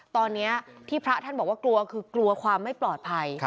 ตอนนี้ที่พระท่านบอกว่ากลัวคือกลัวความไม่ปลอดภัย